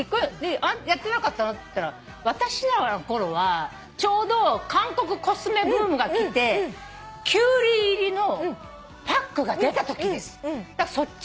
「やってなかったの？」って言ったら「私のころはちょうど韓国コスメブームが来てキュウリ入りのパックが出たときです」